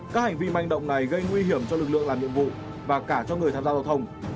các hành vi manh động này gây nguy hiểm cho lực lượng làm nhiệm vụ và cả cho người tham gia giao thông